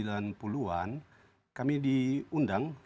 sembilan puluh an kami diundang